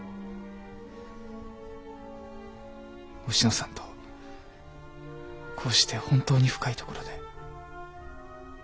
おしのさんとこうして本当に深いところで。